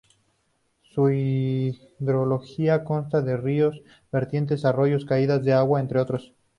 Su hidrología consta de ríos, vertientes, arroyos, caídas de agua, entre otros.